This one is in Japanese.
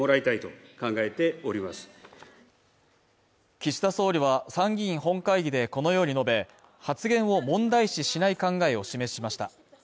岸田総理は参議院本会議でこのように述べ、発言を問題視しない考えを示しました。